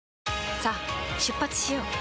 さあ出発しよう。